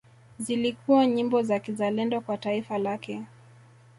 Zilikuwa nyimbo za kizalendo kwa taifa lake